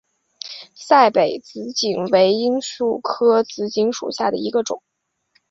赛北紫堇为罂粟科紫堇属下的一个种。